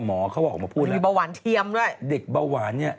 หมอเค้าออกมาพูดอ่ะมีเบาหวานเทียมด้วยมีเบาหวานเทียม